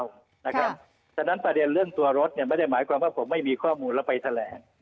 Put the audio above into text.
เพราะฉะนั้นประเด็นเรื่องตัวรถไม่ได้หมายความว่าผมไม่มีข้อมูลแล้วไปแถลง